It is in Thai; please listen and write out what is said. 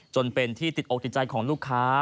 จนเป็นที่ติดอกติดใจของลูกค้า